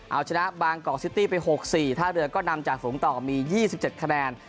เอาชนะบางกอกซิตี้ไป๖๔ท่าเรือก็นำจากฝูงต่อมี๒๗คะแนน